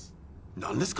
何ですか？